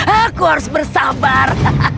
aku harus bersabar